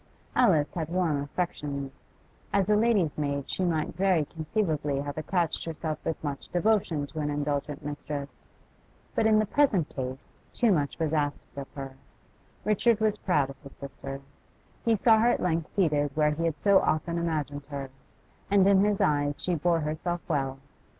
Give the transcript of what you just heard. Alice had warm affections; as a lady's maid she might very conceivably have attached herself with much devotion to an indulgent mistress, but in the present case too much was asked of her, Richard was proud of his sister; he saw her at length seated where he had so often imagined her, and in his eyes she bore herself well.